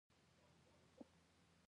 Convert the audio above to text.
وروسته به خلکو ته وړیا سافټویرونه وویشو